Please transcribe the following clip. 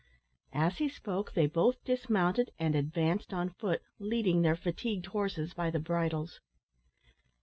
As he spoke, they both dismounted and advanced on foot, leading their fatigued horses by the bridles.